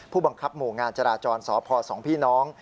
บังคับหมู่งานจราจรสพ๒พี่น้อง